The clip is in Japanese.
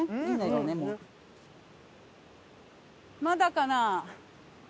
まだかな？